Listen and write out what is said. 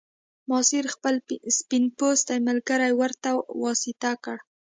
ماسیر خپل سپین پوستی ملګری ورته واسطه کړ.